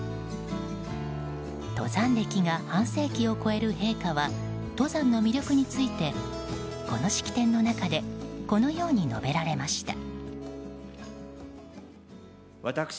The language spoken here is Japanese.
登山歴が半世紀を超える陛下は登山の魅力についてこの式典の中でこのように述べられました。